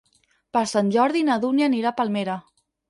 Per Sant Jordi na Dúnia anirà a Palmera.